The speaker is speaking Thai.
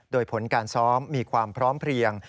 โดยผลการซ้อมมีความพร้อมเพลียง